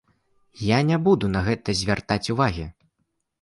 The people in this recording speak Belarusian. Я не буду на гэта звяртаць увагі!